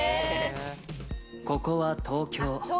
ここは東京。